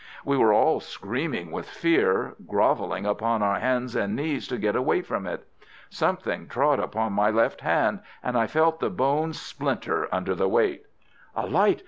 We were all screaming with fear, grovelling upon our hands and knees to get away from it. Something trod upon my left hand, and I felt the bones splinter under the weight. "A light!